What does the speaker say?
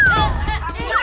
kamu ini gak mau